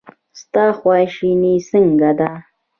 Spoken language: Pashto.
ستا خواشي څنګه ده.